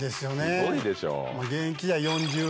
すごいでしょ。